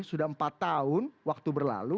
sudah empat tahun waktu berlalu